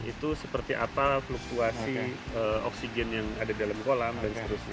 itu seperti apa fluktuasi oksigen yang ada di dalam kolam dan seterusnya